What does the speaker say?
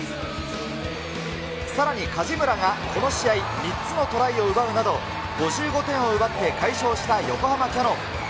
さらに梶村が、この試合、３つのトライを奪うなど、５５点を奪って快勝した横浜キヤノン。